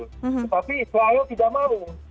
tapi israel tidak mau